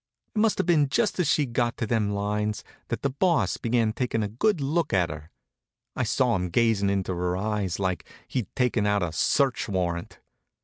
Must have been just as she'd got to them lines that the Boss began taking a good look at her. I saw him gazin' into her eyes like he'd taken out a search warrant.